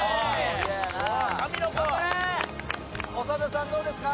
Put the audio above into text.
長田さんどうですか？